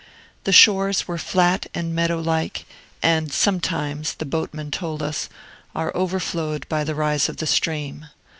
The shores were flat and meadow like, and sometimes, the boatman told us, are overflowed by the rise of the stream.